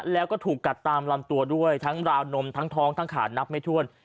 แล้วก็ถูกกัดตามลำตัวด้วยทั้งราวนมทั้งท้องทั้งขานับไม่ถ้วน